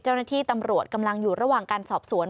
เจ้าหน้าที่ตำรวจกำลังอยู่ระหว่างการสอบสวน